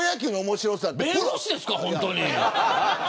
弁護士ですか本当に。